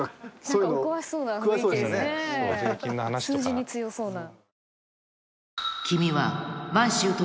数字に強そうな。